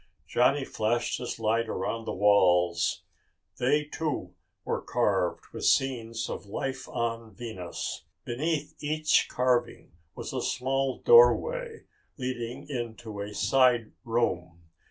Johnny flashed his light around the walls. They, too, were carved with scenes of life on Venus. Beneath each carving was a small doorway leading into a side room.